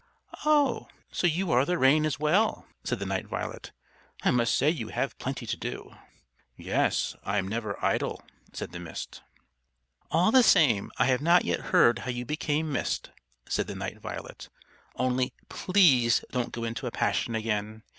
"Oh! so you are the rain as well?" said the Night Violet. "I must say you have plenty to do." "Yes, I'm never idle," said the Mist. "All the same, I have not yet heard how you became mist," said the Night Violet. "Only, please don't get into a passion again.